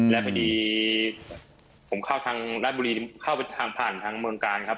และทีนี้ผมข้าวทางระบุรีเข้าทางผ่านทางเมืองกาลครับ